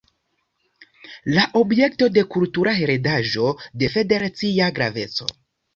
La objekto de kultura heredaĵo de Federacia graveco.